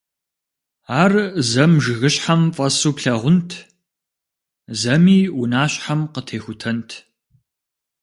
Ар зэм жыгыщхьэм фӀэсу плъагъунт, зэми унащхьэм къытехутэнт.